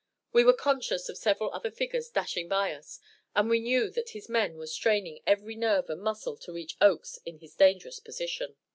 We were conscious of several other figures dashing by us, and we knew that his men were straining every nerve and muscle to reach Oakes in his dangerous position.